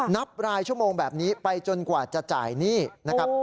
นับรายชั่วโมงแบบนี้ไปจนกว่าจะจ่ายหนี้นะครับ